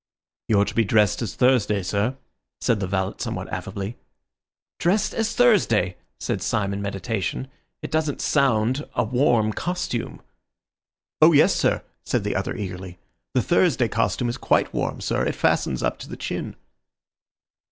"You're to be dressed as Thursday, sir," said the valet somewhat affably. "Dressed as Thursday!" said Syme in meditation. "It doesn't sound a warm costume." "Oh, yes, sir," said the other eagerly, "the Thursday costume is quite warm, sir. It fastens up to the chin."